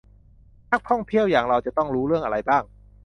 นักท่องเที่ยวอย่างเราต้องรู้เรื่องอะไรบ้าง